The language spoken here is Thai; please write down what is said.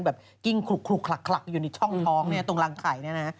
กิ้งคลุกคลักอยู่ในช่องท้องเนี่ยตรงรังไข่เนี่ยนะ